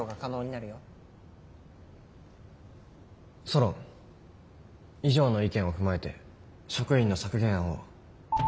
ソロン以上の意見を踏まえて職員の削減案を。